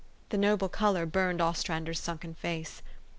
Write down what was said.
The noble color burned Ostrander's sunken face.